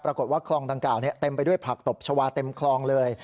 ปรากฏว่าคลองดังกล่าวเต็มไปด้วยผักตบชาวาเต็มคลองเลย